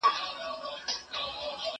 څوک چي ستا په قلمرو کي کړي ښکارونه